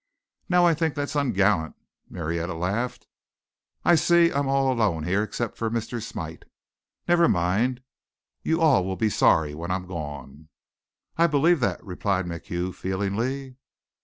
"Now I think that's ungallant," Marietta laughed. "I see I'm all alone here except for Mr. Smite. Never mind. You all will be sorry when I'm gone." "I believe that," replied MacHugh, feelingly.